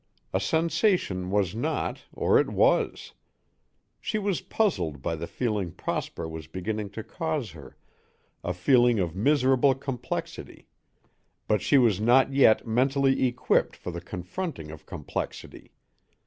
A sensation was not, or it was. She was puzzled by the feeling Prosper was beginning to cause her, a feeling of miserable complexity; but she was not yet mentally equipped for the confronting of complexity.